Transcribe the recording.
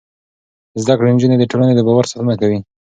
زده کړې نجونې د ټولنې د باور ساتنه کوي.